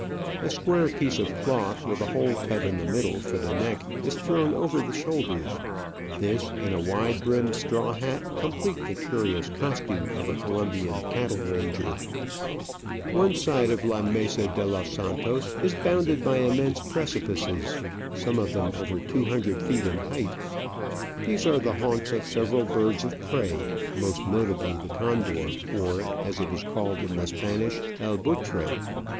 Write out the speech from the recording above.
A square piece of cloth, with a hole cut in the middle for the neck, is thrown over the shoulders ; this, and a wide brimmed straw hat, complete the curious costume of a Colombian cattle rancrer. One side of La Mesa 'c>^ Digitized by VjOOQIC 114 Travels and Adventures de los Santos is bounded by immense precipices, some of them over two hundred feet in height. These are the haunts of several birds of prey, most notably the condor, or, as it is called in the Spanish, El Btiitre.